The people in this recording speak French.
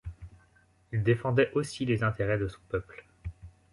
Il défendait aussi les intérêts de son peuple.